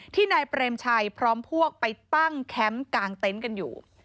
นายเปรมชัยพร้อมพวกไปตั้งแคมป์กลางเต็นต์กันอยู่